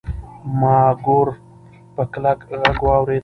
ما ګور په کلک غږ واورېد.